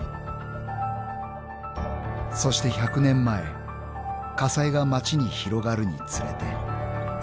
［そして１００年前火災が街に広がるにつれて］